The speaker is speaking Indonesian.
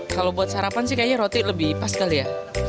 kalau buat sarapan sih kayaknya roti lebih pas kali ya